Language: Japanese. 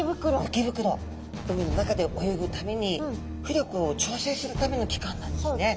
海の中で泳ぐために浮力を調整するための器官なんですね。